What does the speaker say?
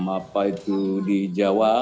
apa itu di jawa